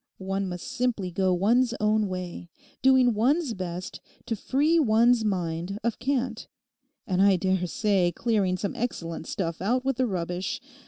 One must simply go one's own way, doing one's best to free one's mind of cant—and I dare say clearing some excellent stuff out with the rubbish.